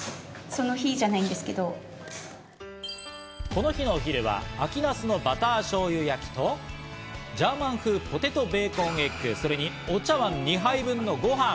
この日のお昼は秋なすのバターしょうゆ焼きとジャーマン風ポテトベーコンエッグ、それにお茶碗２杯分のご飯。